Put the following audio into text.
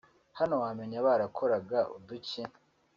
Hano wamenya barakoraga uduki